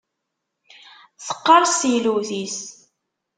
Teqqeṛṣ teylewt-is.